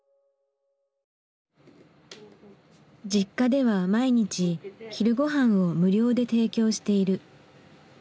Ｊｉｋｋａでは毎日昼ごはんを無料で提供している。